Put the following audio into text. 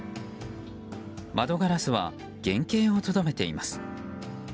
窓ガラスは原形をとどめています。